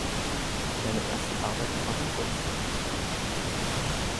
Seine ersten Arbeiten waren Kurzfilme.